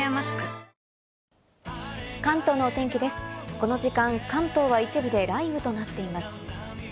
この時間、関東は一部で雷雨となっています。